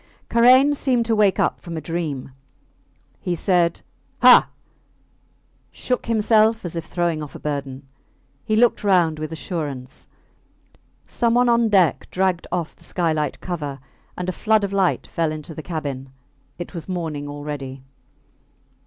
Karain seemed to wake up from a dream. He said, Ha! shook himself as if throwing off a burden. He looked round with assurance. Someone on deck dragged off the skylight cover, and a flood of light fell into the cabin. It was morning already.